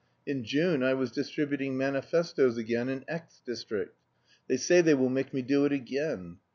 In June I was distributing manifestoes again in X district. They say they will make me do it again....